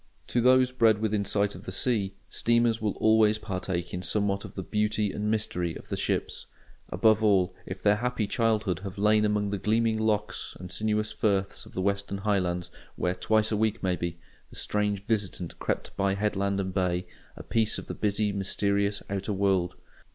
To those bred within sight of the sea, steamers will always partake in somewhat of the "beauty and mystery of the ships"; above all, if their happy childhood have lain among the gleaming lochs and sinuous firths of the Western Highlands, where, twice a week maybe, the strange visitant crept by headland and bay, a piece of the busy, mysterious outer world.